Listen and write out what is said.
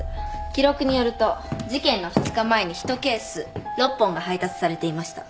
記録によると事件の２日前に１ケース６本が配達されていました。